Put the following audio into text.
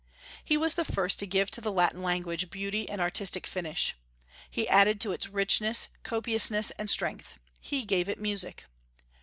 He was the first to give to the Latin language beauty and artistic finish. He added to its richness, copiousness, and strength; he gave it music.